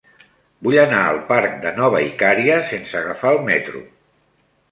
Vull anar al parc de Nova Icària sense agafar el metro.